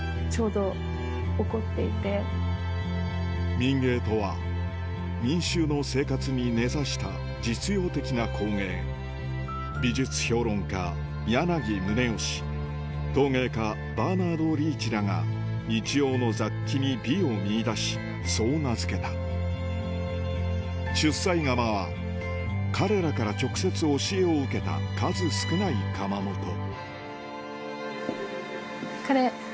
民藝とは民衆の生活に根差した実用的な工芸美術評論家柳宗悦陶芸家バーナード・リーチらが日用の雑器に美を見いだしそう名付けた出西窯は彼らから直接教えを受けた数少ない窯元これ。